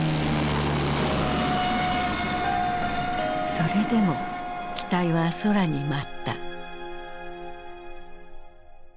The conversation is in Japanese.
それでも機体は空に舞った。